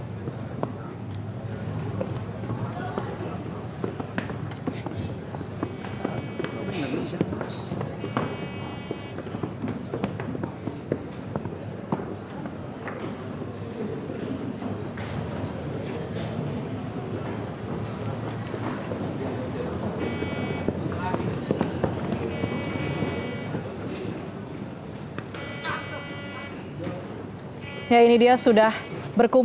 terlihat ada kapolri di sana